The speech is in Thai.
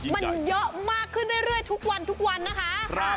มันเยอะมากขึ้นได้เรื่อยทุกวันโอเค